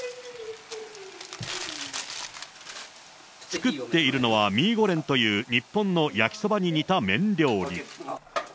作っているのはミーゴレンという日本の焼きそばに似た麺料理。